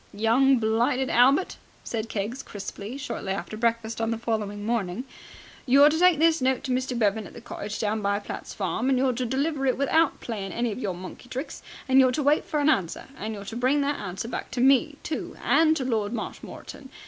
"Young blighted Albert," said Keggs crisply, shortly after breakfast on the following morning, "you're to take this note to Mr. Bevan at the cottage down by Platt's farm, and you're to deliver it without playing any of your monkey tricks, and you're to wait for an answer, and you're to bring that answer back to me, too, and to Lord Marshmoreton.